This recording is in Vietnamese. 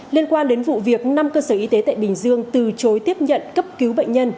liên quan đến vụ việc năm cơ sở y tế tại bình dương từ chối tiếp nhận cấp cứu bệnh nhân